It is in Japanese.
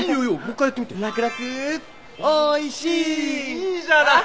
いいじゃない。